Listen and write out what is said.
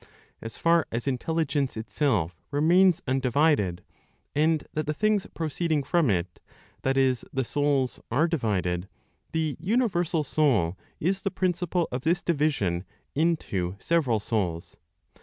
As far as intelligence itself remains undivided, and that the things proceeding from it (that is, the souls) are divided, the universal Soul is the principle of this division into several souls.